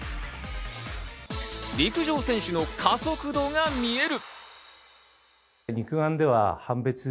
陸上選手の加速度が見える。